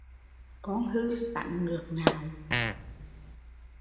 Con hư tánh ngược ngạo